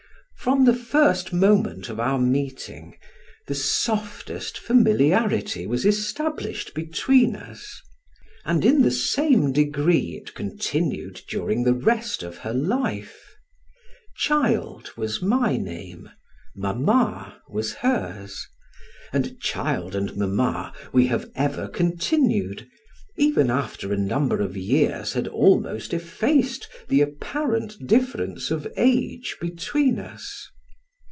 From the first moment of our meeting, the softest familiarity was established between us: and in the same degree it continued during the rest of her life. Child was my name, Mamma was hers, and child and mamma we have ever continued, even after a number of years had almost effaced the apparent difference of age between us.